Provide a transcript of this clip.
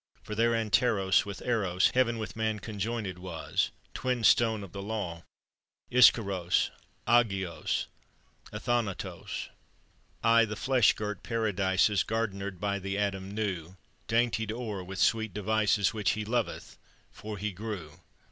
For there Anteros with Eros Heaven with man conjoinèd was, Twin stone of the Law, Ischyros, Agios Athanatos. "I, the flesh girt Paradises Gardenered by the Adam new, Daintied o'er with sweet devices Which He loveth, for He grew.